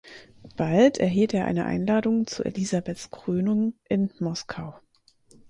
Bald erhielt er eine Einladung zu Elisabeths Krönung in Moskau.